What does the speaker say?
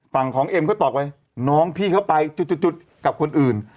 ฝั่งของเอ็มก็ตอบไปน้องพี่เขาไปจุดกับคนอื่น